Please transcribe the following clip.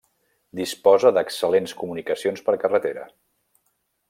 Disposa d'excel·lents comunicacions per carretera.